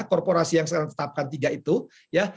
korporasi yang sekarang tetapkan tiga itu ya